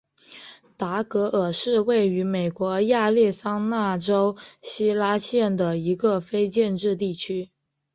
达格尔是位于美国亚利桑那州希拉县的一个非建制地区。